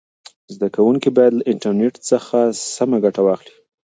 زده کوونکي باید له انټرنیټ څخه سمه ګټه واخلي.